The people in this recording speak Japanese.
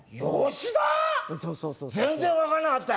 全然分かんなかったよ」